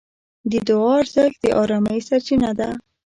د دعا ارزښت د ارامۍ سرچینه ده.